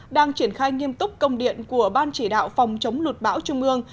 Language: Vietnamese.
đang triển khai nghiêm túc công điện của ban chỉ đạo phòng chống lụt bão trung ương